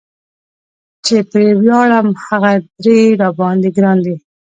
چې پرې وياړم هغه درې را باندي ګران دي